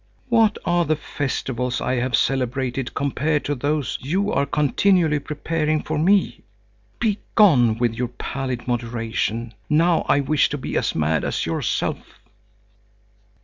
What are the festivals I have celebrated compared to those you are continually preparing for me! Begone with your pallid moderation! Now I wish to be as mad as yourself."